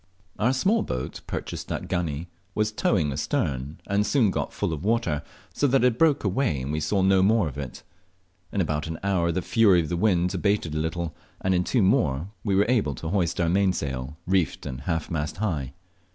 Our small boat (purchased at Gani) was towing astern, and soon got full of water, so that it broke away and we saw no more of it. In about an hour the fury of the wind abated a little, and in two more we were able to hoist our mainsail, reefed and half mast high.